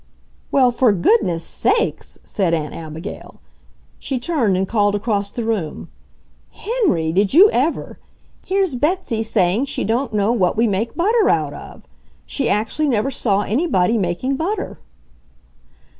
"Well, FOR GOODNESS' SAKES!" said Aunt Abigail. She turned and called across the room, "Henry, did you ever! Here's Betsy saying she don't know what we make butter out of! She actually never saw anybody making butter!"